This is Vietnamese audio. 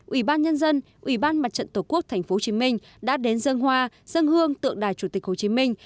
ủy ban nhân dân ủy ban mặt trận tổ quốc tp hcm đã đến dâng hoa dâng hương tượng đài chủ tịch hồ chí minh